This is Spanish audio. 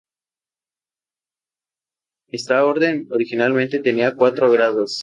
Esta orden originalmente tenía cuatro grados.